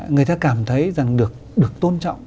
người ta cảm thấy rằng được tôn trọng